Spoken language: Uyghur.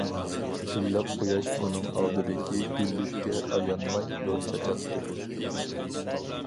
ئىللىق قۇياش ئۇنىڭ ئالدىدىكى گۈللۈككە ئايانماي نۇر چاچاتتى.